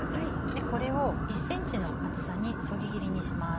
これを１ｃｍの厚さにそぎ切りにします。